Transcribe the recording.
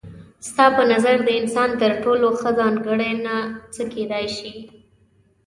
ستا په نظر د انسان تر ټولو ښه ځانګړنه څه کيدای شي؟